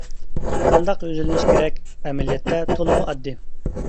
قانداق يۈزلىنىش كېرەك؟ ئەمەلىيەتتە تولىمۇ ئاددىي.